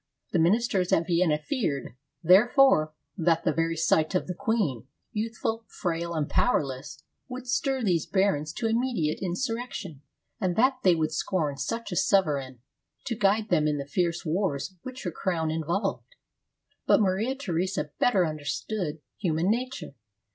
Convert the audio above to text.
The ministers at Vienna feared, there fore, that the very sight of the queen, youthful, frail, and powerless, would stir these barons to immediate insurrection, and that they would scorn such a sovereign to guide them in the fierce wars which her crown in volved. But Maria Theresa better understood human nature.